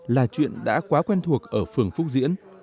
là chuyện đã quá quen thuộc ở phường phúc diễn